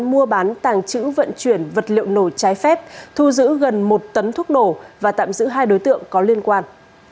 mua bán tàng trữ vận chuyển vật liệu nổ trái phép thu giữ gần một tấn thuốc nổ và tạm giữ hai đối tượng có liên quan